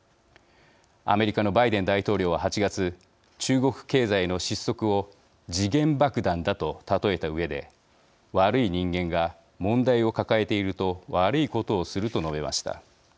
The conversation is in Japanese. アメリカのバイデン大統領は８月中国経済の失速を時限爆弾だと例えたうえで「悪い人間が問題を抱えていると悪いことをする」と述べました。